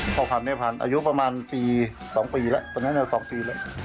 พ่อพันธแม่พันธุ์อายุประมาณปี๒ปีแล้วตอนนั้น๒ปีแล้ว